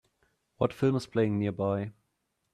What film is playing nearby